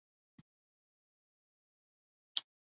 现在弘南铁道是日本最北端的私营电气铁路公司。